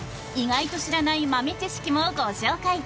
意外と知らない豆知識もご紹介！